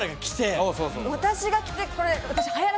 私が着てこれ。